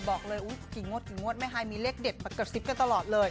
บอกเลยจีนงวดจีนงวดแม่หายมีเลขเด็ดเป็นกับซิฟกันตลอดเลย